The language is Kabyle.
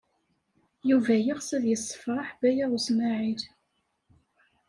Yuba yeɣs ad yessefṛeḥ Baya U Smaɛil.